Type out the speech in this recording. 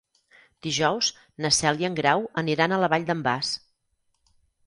Dijous na Cel i en Grau aniran a la Vall d'en Bas.